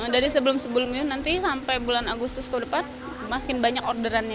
dari sebelum sebelumnya nanti sampai bulan agustus ke depan makin banyak orderannya